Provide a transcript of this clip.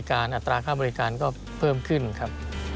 อัตราค่าบริการก็เพิ่มขึ้นครับ